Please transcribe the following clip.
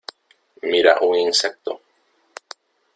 Mira un insecto